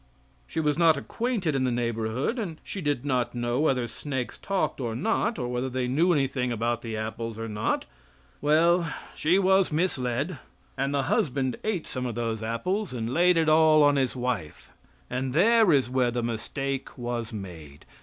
She was not acquainted in the neighborhood, and she did not know whether snakes talked or not, or whether they knew anything about the apples or not. Well, she was misled, and the husband ate some of those apples and laid it all on his wife; and there is where the mistake was made.